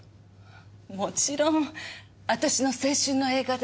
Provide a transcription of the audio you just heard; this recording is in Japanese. もちろん私の青春の映画です。